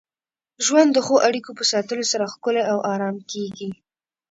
ژوند د ښو اړیکو په ساتلو سره ښکلی او ارام کېږي.